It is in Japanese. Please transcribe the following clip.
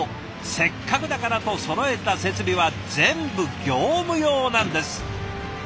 せっかくだからとそろえた設備は全部業務用なんです。